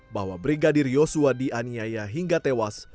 bahwa brigadir yosua dianiaya hingga tewas